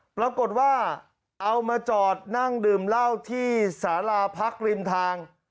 เอามาจอดนั่งดื่มเหล้าที่สาราพักริมทาง